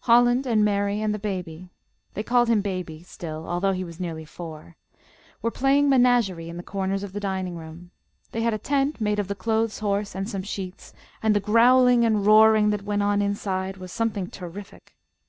Holland and Mary and the baby (they called him baby still, although he was nearly four) were playing menagerie in the corners of the dining room. They had a tent made of the clothes horse and some sheets, and the growling and roaring that went on inside was something terrific.